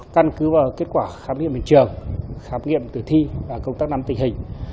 căn cứ và kết quả khám nghiệm hiện trường khám nghiệm tử thi và công tác nằm tình hình